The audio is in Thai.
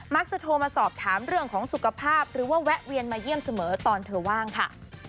โทรมาสอบถามเรื่องของสุขภาพหรือว่าแวะเวียนมาเยี่ยมเสมอตอนเธอว่างค่ะ